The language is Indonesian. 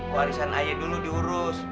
warisan ayah dulu diurus